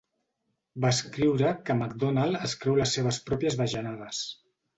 Va escriure que MacDonald es creu les seves pròpies bajanades.